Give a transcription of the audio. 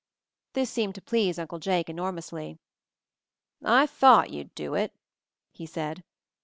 This seemed to please Uncle Jake enor mously. "I thought you'd do it," he said.